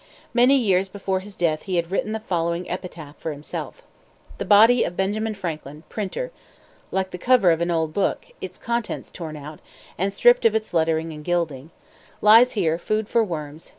Many years before his death he had written the following epitaph for himself: "The Body of Benjamin Franklin, Printer, (Like the cover of an old book, Its contents torn out, And stripped of its lettering and gilding,) Lies here food for worms.